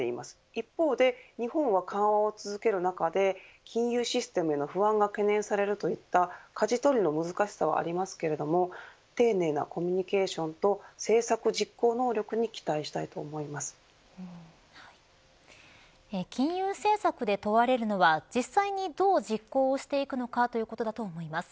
一方で、日本は緩和を続ける中で金融システムへの不安が懸念されるといったかじ取りの難しさはありますけれど丁寧なコミュニケーションと政策実行能力に金融政策で問われるのは実際にどう実行していくのかということだと思います。